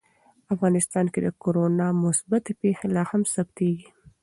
افغانستان کې د کورونا مثبتې پېښې لا هم ثبتېږي.